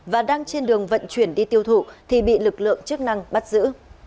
và đang trên đường vận chuyển đi tiêu thụ thì bị lực lượng chức năng bắt giữ